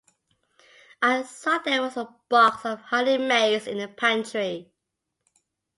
I saw there was a box of Honey Maids in the pantry.